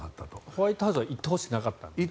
ホワイトハウスは行ってほしくなかったんですか？